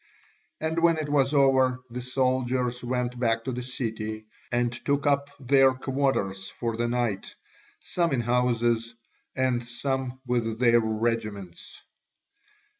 And when it was over, the soldiers went back to the city, and took up their quarters for the night, some in houses and some with their regiments.